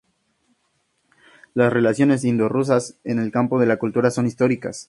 Las relaciones indo-rusas en el campo de la cultura son históricas.